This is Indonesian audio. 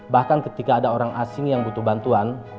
bahkan ketika ada orang asing yang butuh bantuan